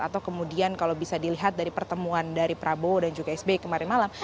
atau kemudian kalau bisa dilihat dari pertemuan dari prabowo dan juga sby kemarin malam